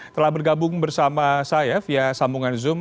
telah bergabung bersama saya via sambungan zoom